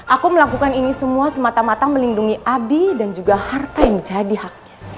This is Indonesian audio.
aku melakukan ini semua semata mata melindungi abi dan juga harta yang menjadi haknya